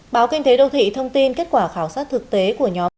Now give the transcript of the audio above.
báo kinh tế đô thị thông tin kết quả khảo sát thực tế của nhóm